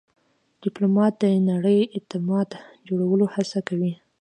ډيپلومات د نړیوال اعتماد جوړولو هڅه کوي.